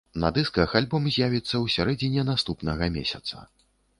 На дысках альбом з'явіцца ў сярэдзіне наступнага месяца.